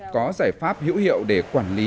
có giải pháp hữu hiệu để quản lý